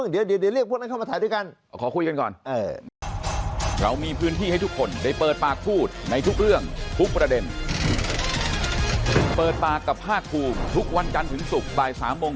เดี๋ยวเรียกพวกนั้นเข้ามาถ่ายด้วยกัน